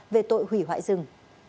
về tội hủy hoại rừng